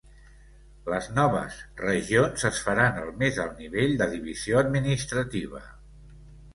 Les noves regions es faran el més alt nivell de divisió administrativa.